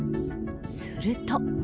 すると。